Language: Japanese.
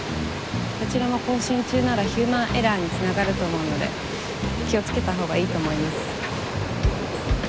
どちらも交信中ならヒューマンエラーに繋がると思うので気をつけたほうがいいと思います。